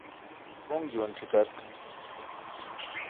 Poṅ juwan ṣikark.